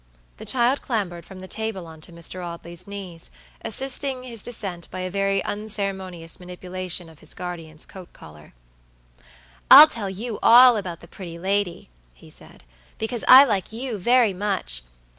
The child clambered from the table onto Mr. Audley's knees, assisting his descent by a very unceremonious manipulation of his guardian's coat collar. "I'll tell you all about the pretty lady," he said, "because I like you very much.